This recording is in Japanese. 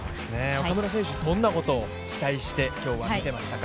岡村選手にどんなことを期待して今日見ていましたか。